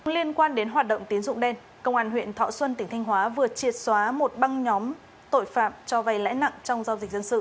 liên quan đến hoạt động tiến dụng đen công an huyện thọ xuân tỉnh thanh hóa vừa triệt xóa một băng nhóm tội phạm cho vầy lãi nặng trong giao dịch